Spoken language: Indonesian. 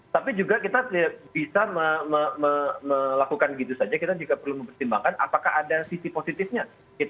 tapi juga kita bisa melakukan gitu saja kita juga perlu mempertimbangkan apakah ada sisi positifnya